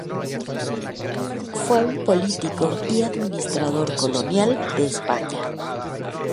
Fue un político y administrador colonial de España.